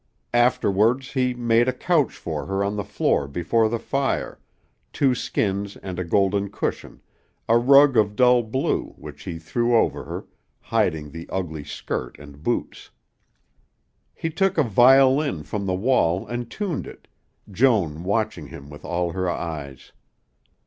Afterwards he made a couch for her on the floor before the fire, two skins and a golden cushion, a rug of dull blue which he threw over her, hiding the ugly skirt and boots. He took a violin from the wall and tuned it, Joan watching him with all her eyes.